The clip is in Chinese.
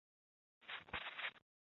崇祯十二年庚辰科联捷进士。